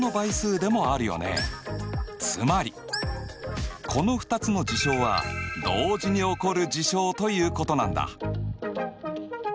つまりこの２つの事象は同時に起こる事象ということなんだ。